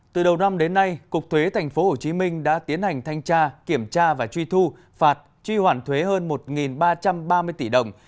từ đầu năm đến nay cục thuế tp hcm đã tiến hành thanh tra kiểm tra và truy thu phạt truy hoàn thuế hơn một ba trăm ba mươi tỷ đồng